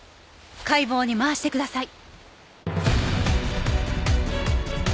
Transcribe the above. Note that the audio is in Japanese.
解剖に回してください。